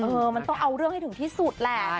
เออมันต้องเอาเรื่องให้ถึงที่สุดแหละ